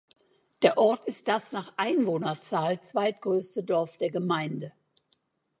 Der Ort ist das nach Einwohnerzahl zweitgrößte Dorf der Gemeinde.